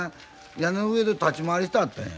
屋根の上で立ち回りしてあったんや。